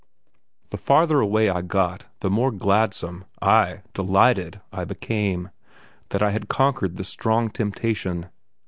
The farther away I got the more gladsome, ay, delighted I became, that I had conquered this strong temptation.